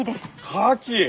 カキ！